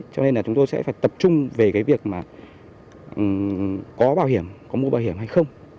cho nên chúng tôi sẽ phải tập trung về việc có mua bảo hiểm hay không